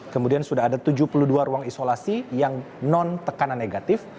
kemudian sudah ada tujuh puluh dua ruang isolasi yang non tekanan negatif